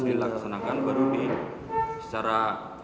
bismillah kesenangan baru di secara